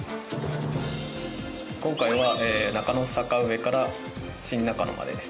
今回は中野坂上から新中野までです。